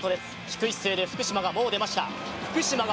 低い姿勢で福島がもう出ました